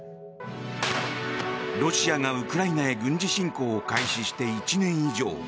ロシアがウクライナへ軍事侵攻を開始して１年以上。